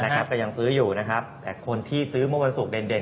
ก็ยังซื้ออยู่นะครับและคนที่ซื้อมุมประสุทธิกฎเด่น